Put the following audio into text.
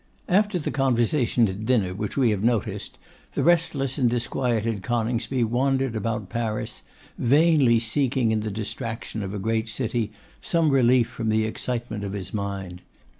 After the conversation at dinner which we have noticed, the restless and disquieted Coningsby wandered about Paris, vainly seeking in the distraction of a great city some relief from the excitement of his mind.